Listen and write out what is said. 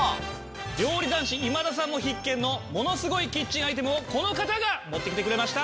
料理男子今田さんも必見のものすごいキッチンアイテムをこの方が持ってきてくれました。